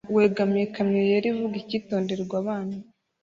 wegamiye ikamyo yera ivuga Icyitonderwa-Abana